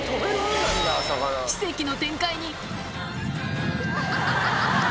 奇跡の展開に。